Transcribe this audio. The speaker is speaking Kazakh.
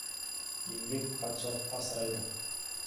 Еңбек патшалықты асырайды.